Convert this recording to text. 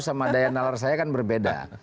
sama daya nalar saya kan berbeda